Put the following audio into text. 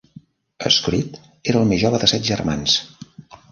Skrede era el més jove de set germans.